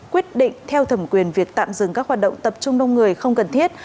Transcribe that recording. quyết định theo thẩm quyền việc tạm dừng các hoạt động tập trung đông người không cần thiết